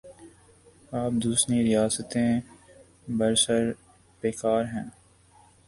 اب دوسنی ریاستیں برسر پیکار ہیں۔